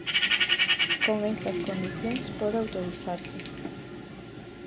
Con estas condicións pode autorizarse.